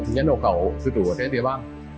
nhấn đầu cầu từ chủ ở trên địa bàn